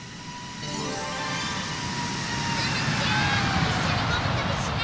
ツムちゃんいっしょにゴムとびしない？